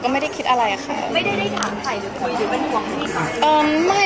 คุณไม่ได้ถามใครจะโคยหรือเป็นหวังให้ขอ